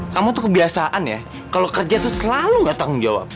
kamu tuh kebiasaan ya kalau kerja tuh selalu gak tanggung jawab